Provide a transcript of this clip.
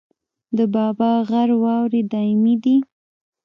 د بابا غر واورې دایمي دي